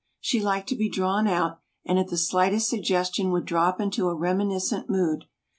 She liked to be drawn out and at the slightest suggestion would drop into a reminiscent mood.